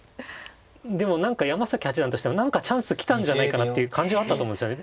でも何か山崎八段としては何かチャンス来たんじゃないかなっていう感じはあったと思うんですよね。